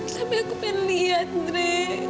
tapi aku pengen lihat gre